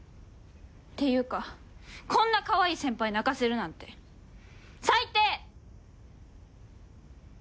っていうかこんなかわいい先輩泣かせるなんて最低！